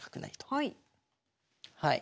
はい。